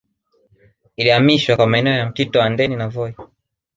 Ilihamishwa kwa maeneo ya Mtito Andei na Voi